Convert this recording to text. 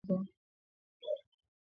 Walitumia muda wao mwingi kuzungumza